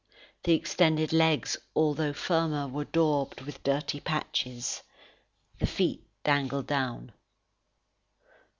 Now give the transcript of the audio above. The extended legs, although firmer, were daubed with dirty patches. The feet dangled down.